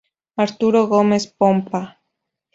Arturo Gómez Pompa.